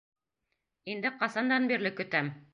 Инде ҡасандан бирле көтәм!